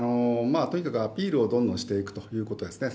とにかくアピールを、どんどんしていくということですね。